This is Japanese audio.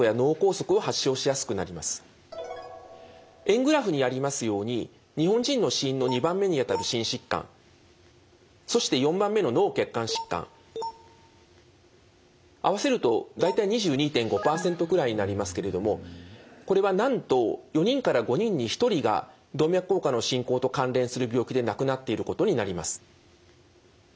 円グラフにありますように日本人の死因の２番目にあたる心疾患そして４番目の脳血管疾患合わせると大体２２．５％ぐらいになりますけれどもこれはなんと４人から５人に１人が動脈硬化の進行と関連する病気で亡くなっていることになります。